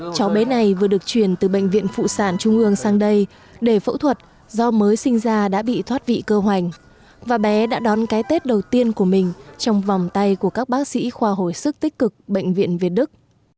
cháu bé này vừa được chuyển từ bệnh viện phụ sản trung ương sang đây để phẫu thuật do mới sinh ra đã bị thoát vị cơ hoành và bé đã đón cái tết đầu tiên của mình trong vòng tay của các bác sĩ khoa hồi sức tích cực bệnh viện việt đức